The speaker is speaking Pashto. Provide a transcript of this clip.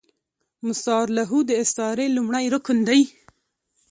مستعارله د استعارې لومړی رکن دﺉ.